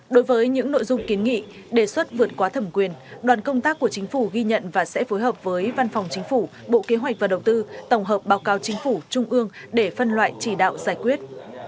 đối với những nội dung kiến nghị đề xuất vượt qua thẩm quyền đoàn công tác của chính phủ ghi nhận và sẽ phối hợp với văn phòng chính phủ bộ kế hoạch và đầu tư tổng hợp báo cáo chính phủ trung ương để phân loại chỉ đạo giải quyết